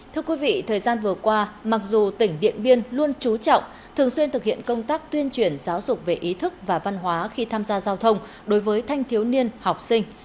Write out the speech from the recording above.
thưa quý vị thời gian vừa qua mặc dù tỉnh điện biên luôn trú trọng thường xuyên thực hiện công tác tuyên truyền giáo dục về ý thức và văn hóa khi tham gia giao thông đối với thanh thiếu niên học sinh